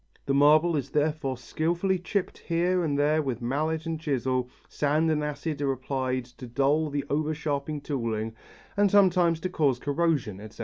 The marble is therefore skilfully chipped here and there with mallet and chisel, sand and acid are applied to dull the over sharp tooling, and sometimes to cause corrosion, etc.